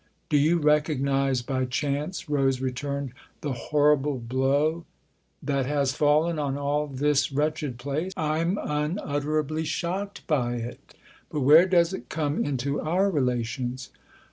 "Do you recognise by chance," Rose returned, " the horrible blow ?"" That has fallen on all this wretched place ? I'm unutterably shocked by it. But where does it come into our relations